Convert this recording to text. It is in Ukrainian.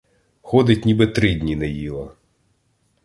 Ходить, ніби три дні не їла.